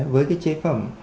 với cái chế phẩm